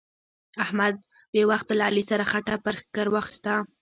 احمد بې وخته له علي سره خټه پر ښکر واخيسته.